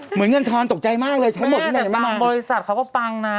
เหมือนเงินทรตกใจมากเลยใช้หมดที่ไหนมากแม่แต่บางบริษัทเขาก็ปังนะ